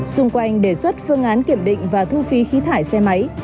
xung quanh đề xuất phương án kiểm định và thu phí khí thải xe máy